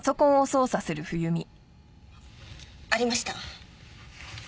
ありました。